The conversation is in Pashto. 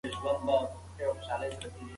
موږ یوازې جنګیالي نه یو.